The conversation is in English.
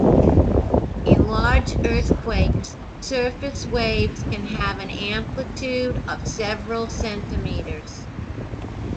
In large earthquakes, surface waves can have an amplitude of several centimeters.